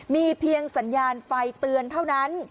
มีเพียงสัญญาณไฟเตือนเท่านั้น